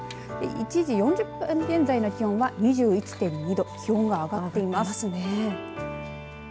１時４０分現在の予報は２１．２度気温が上がっています。